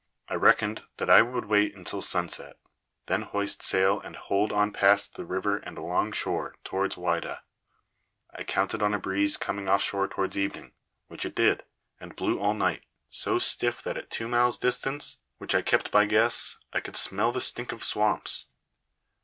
I reckoned that I would wait until sunset, then hoist sail and hold on past the river and along shore towards Whydah. I counted on a breeze coming off shore towards evening, which it did, and blew all night, so stiff that at two miles' distance, which I kept by guess, I could smell the stink of swamps.